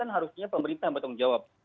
harusnya pemerintah yang bertanggung jawab